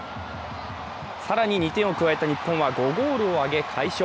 更に２点を加えた日本は５ゴールを挙げ、快勝。